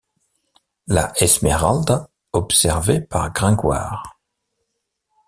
La Esmeralda observée par Gringoire.